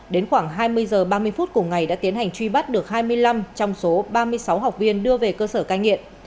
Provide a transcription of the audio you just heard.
đến khoảng hai mươi h ba mươi phút cùng ngày đã tiến hành truy bắt được hai mươi năm trong số ba mươi sáu học viên đưa về cơ sở cai nghiện